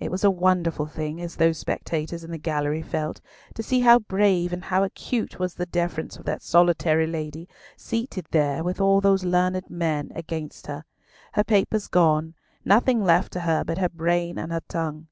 It was a wonderful thing, as those spectators in the gallery felt, to see how brave and how acute was the defence of that solitary lady, seated there with all those learned men against her; her papers gone, nothing left to her but her brain and her tongue.